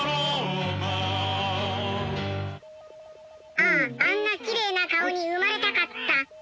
あああんなきれいな顔に生まれたかった。